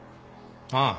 ああ。